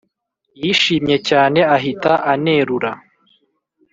yishimye cyane ahita anerura